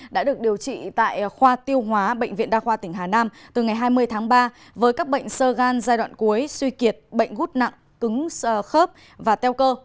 đã được điều trị tại khoa tiêu hóa bệnh viện đa khoa tỉnh hà nam từ ngày hai mươi tháng ba với các bệnh sơ gan giai đoạn cuối suy kiệt bệnh gút nặng cứng khớp và teo cơ